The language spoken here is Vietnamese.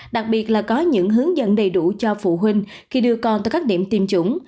đặc biệt là có những hướng dẫn đầy đủ cho phụ huynh khi đưa con tới các điểm tiêm chủng